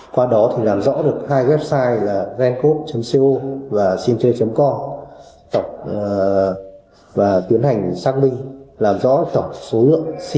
qua đó thì làm rõ được hai website là gencode co và cintrade co và tiến hành xác minh làm rõ tổng số lượng sim